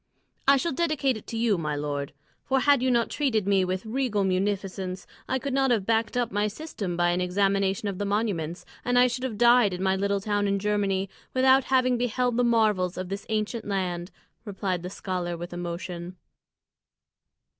"I shall dedicate it to you, my lord, for had you not treated me with regal munificence, I could not have backed up my system by an examination of the monuments, and I should have died in my little town in Germany without having beheld the marvels of this ancient land," replied the scholar, with emotion.